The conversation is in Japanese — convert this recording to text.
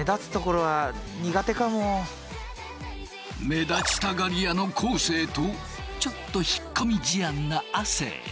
目立ちたがり屋の昴生とちょっと引っ込み思案な亜生。